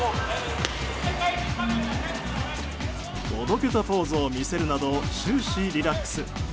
おどけたポーズを見せるなど終始リラックス。